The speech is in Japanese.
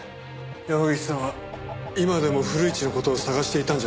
山岸さんは今でも古市の事を捜していたんじゃないですか？